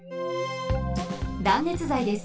断熱材です。